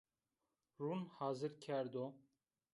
Rûn hazir kerdo